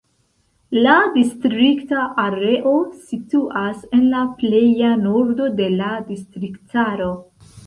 La distrikta areo situas en la pleja nordo de la distriktaro.